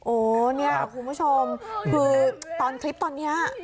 โอ้เนี่ยคุณผู้ชมคือตอนคลิปตอนนี้